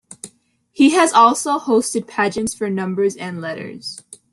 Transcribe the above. He has also hosted pageants for numbers and letters.